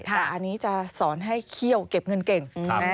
แต่อันนี้จะสอนให้เขี้ยวเก็บเงินเก่ง